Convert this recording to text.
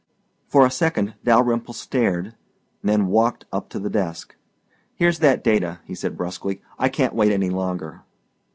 For a second Dalyrimple stared then walked up to the desk. "Here's that data," he said brusquely. "I can't wait any longer."